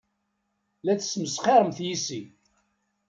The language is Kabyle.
La tesmesxiremt yes-i.